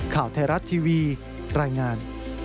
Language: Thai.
ข่าวไทยรัฐทีวีรายงาน